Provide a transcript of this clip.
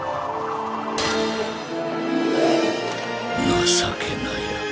情けなや。